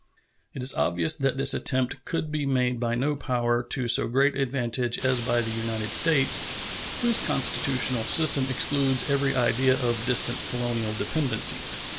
It is obvious that this attempt could be made by no power to so great advantage as by the United States, whose constitutional system excludes every idea of distant colonial dependencies.